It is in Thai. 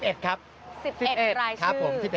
๑๑รายชื่อครับผม๑๑รายชื่อ